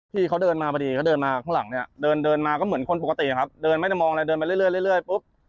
พี่เขาเดินมาพอดีเขาเดินมาข้างหลังเนี่ยเดินเดินมาก็เหมือนคนปกติครับเดินไม่ได้มองอะไรเดินไปเรื่อยปุ๊บ